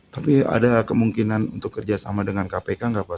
tapi ada kemungkinan untuk kerjasama dengan kpk nggak pak